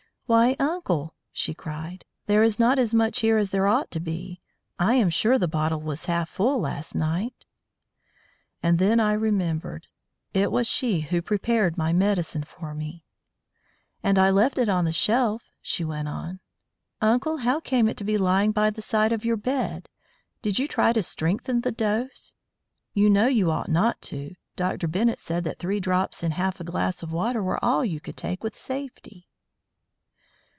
"Why, uncle," she cried, "there is not as much here as there ought to be! I am sure the bottle was half full last night." And then I remembered it was she who prepared my medicine for me. "And I left it on the shelf," she went on. "Uncle, how came it to be lying by the side of your bed? Did you try to strengthen the dose? You know you ought not to; Dr. Bennett said that three drops in half a glass of water were all you could take with safety."